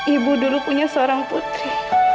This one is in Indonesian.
ibu dulu punya seorang putri